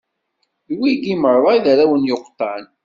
D wigi meṛṛa i d arraw n Yuqtan.